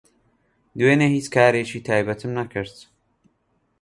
دوێنێ هیچ کارێکی تایبەتم نەکرد.